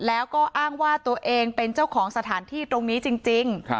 แล้วก็อ้างว่าตัวเองเป็นเจ้าของสถานที่ตรงนี้จริง